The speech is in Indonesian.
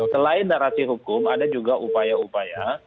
selain narasi hukum ada juga upaya upaya